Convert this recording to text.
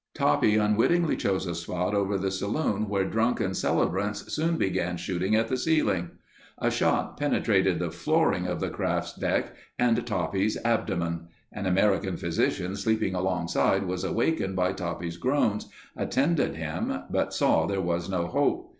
Toppy unwittingly chose a spot over the saloon where drunken celebrants soon began shooting at the ceiling. A shot penetrated the flooring of the craft's deck and Toppy's abdomen. An American physician sleeping alongside was awakened by Toppy's groans, attended him, but saw there was no hope.